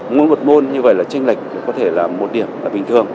mỗi một môn như vậy là tranh lệch có thể là một điểm là bình thường